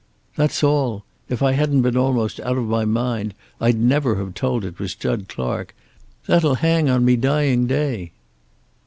"That's all. If I hadn't been almost out of my mind I'd never have told that it was Jud Clark. That'll hang on me dying day."